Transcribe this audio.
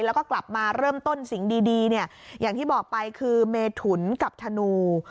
แล้วก็กลับมาเริ่มต้นสิ่งดีเนี่ยอย่างที่บอกไปคือเมถุนกับธนู